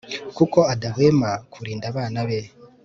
kuko adahwema kurinda abana be